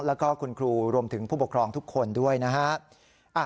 แล้วก็คุณครูรวมถึงผู้ปกครองทุกคนด้วยนะฮะ